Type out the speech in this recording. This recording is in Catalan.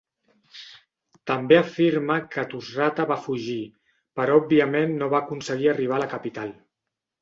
També afirma que Tushratta va fugir, però òbviament no va aconseguir arribar a la capital.